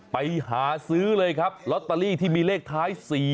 ไปหาซื้อเลยครับลอตเตอรี่ที่มีเลขท้าย๔๔